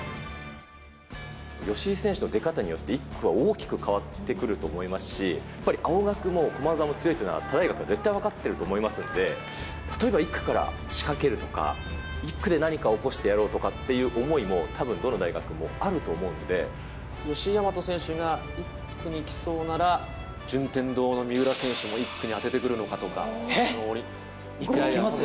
吉居選手の出方によって、１区は大きく変わってくると思いますし、やっぱり青学も駒澤も強いというのは、他大学は絶対分かってると思いますので、例えば１区から仕掛けるとか、１区で何か起こしてやろうとかっていう思いもたぶん、どの大学もあると思うので、吉居大和選手が１区に来そうなら、順天堂の三浦選手も１区にあててくるのかとか。